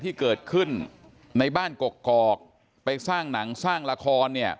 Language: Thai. ที่เกิดขึ้นในบ้านกกอกไปสร้างหนังสร้างละครเนี่ย